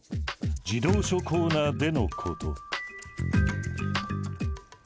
児童書コーナーでのこと。